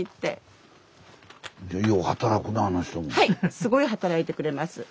すごい働いてくれます。